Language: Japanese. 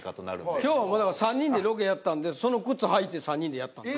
今日は３人でロケやったんでその靴履いて３人でやったんです。